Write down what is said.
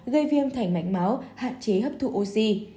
gây viêm thành mạch máu hạn chế hấp thụ oxy